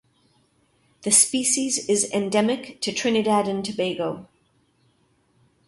The species is endemic to Trinidad and Tobago.